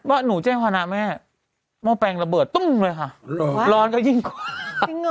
หนูแจ้งภานะแม่หม้อแปลงระเบิดตุ้มเลยค่ะร้อนก็ยิ่งกว่า